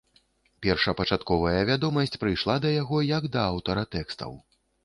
Першапачатковая вядомасць прыйшла да яго як да аўтара тэкстаў.